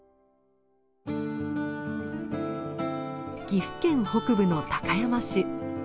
岐阜県北部の高山市。